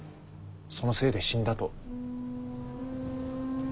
そのせいで死んだと。